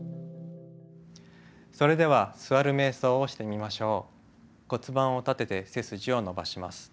それでは座る瞑想をしてみましょう。